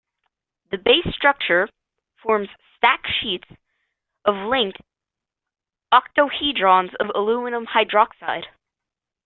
The basic structure forms stacked sheets of linked octahedrons of aluminium hydroxide.